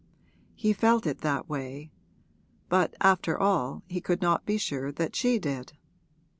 He felt it that way; but after all he could not be sure that she did.